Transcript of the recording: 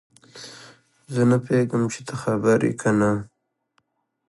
زه نه پوهیږم چې ته خبر یې که نه